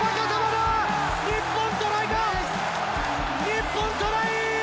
日本トライ！